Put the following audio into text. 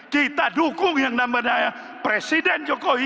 kita dukung yang namanya presiden jokowi